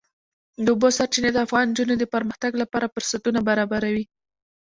د اوبو سرچینې د افغان نجونو د پرمختګ لپاره فرصتونه برابروي.